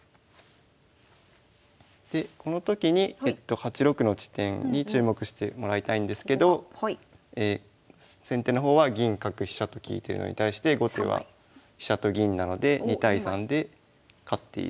でこの時に８六の地点に注目してもらいたいんですけど先手の方は銀角飛車と利いてるのに対して後手は飛車と銀なので２対３で勝っていますね。